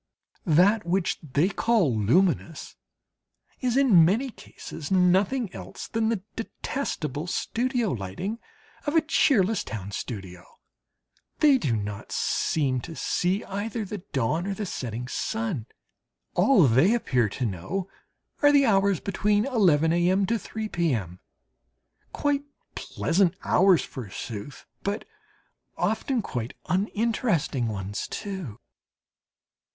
That which they call "luminous" is, in many cases, nothing else than the detestable studio lighting of a cheerless town studio. They do not seem to see either the dawn or the setting sun; all they appear to know are the hours between 11 a.m. to 3 p.m. quite pleasant hours forsooth, but often quite uninteresting ones too!